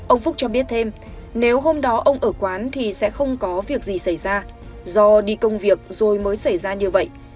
ông phúc cho biết thêm nếu hôm đó ông ở quán thì sẽ không có việc gì xảy ra do đi công việc rồi mới xảy ra như vậy